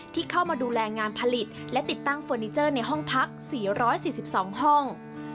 ที่เข้ามาดูแลงานผลิตและติดตั้งเฟอร์นิเจอร์ในห้องพัก๔๔๒ห้อง